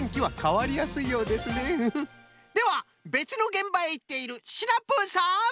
ではべつのげんばへいっているシナプーさん！